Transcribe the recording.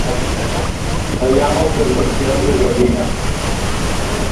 Hi ha moltes versions de joguina.